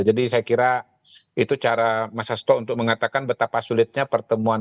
jadi saya kira itu cara mas hasto untuk mengatakan betapa sulitnya pertemuan